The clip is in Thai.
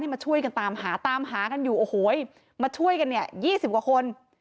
มาช่วยกันตามหาตามหากันอยู่โอ้โหมาช่วยกันเนี่ย๒๐กว่าคน